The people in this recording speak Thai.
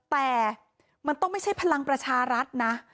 แต่มันต้องไม่ใช่พลังประชารัฐนะ